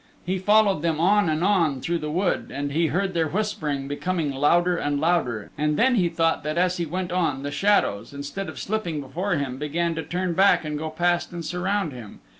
He followed them on and on through the wood and he heard their whispering becoming louder and louder, and then he thought that as he went on the shadows, instead of slipping before him, began to turn back and go past and surround him.